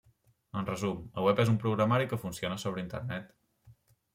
En resum, el Web és un programari que funciona sobre Internet.